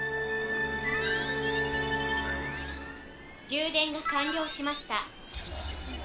「充電が完了しました」。